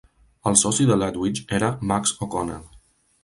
El soci de Ledwidge era Max O'Connell.